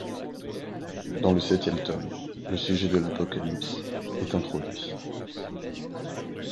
Dans le septième tome, le sujet de l'apocalypse est introduit.